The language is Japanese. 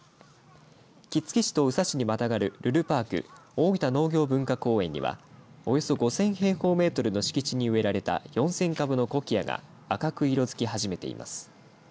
杵築市と宇佐市にまたがるるるパーク大分農業文化公園には５０００平方メートルの敷地に植えられた４０００株のコキアが赤く色づき始めています。